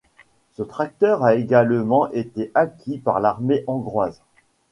Ce tracteur a également été acquis par l'armée hongroise.